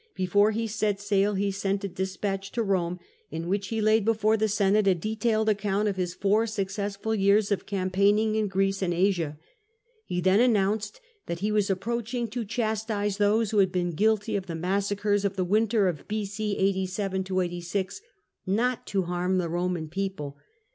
Before he set sail he sent a despatch to Eome, in which SULLA 138 he laid before the Senate a detailed account of his four successful years of campaigning m Greece and Asia. He then announced that he was approaching to chastise those who had been guilty of the massacres of the winter of B.O. 87 865 not to harm the Eoman people.